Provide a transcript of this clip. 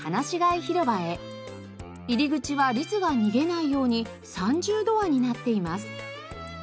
入り口はリスが逃げないように３重ドアになっています。